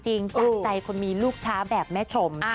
จากใจคนมีลูกช้าแบบแม่ชม